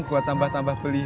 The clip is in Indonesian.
gue tambah tambah beli